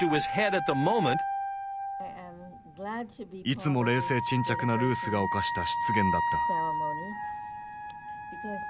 いつも冷静沈着なルースが犯した失言だった。